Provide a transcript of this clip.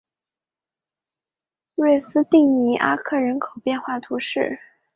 瑞斯蒂尼阿克人口变化图示